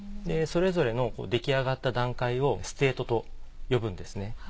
それぞれの出来上がった段階をステートと呼ぶんですね。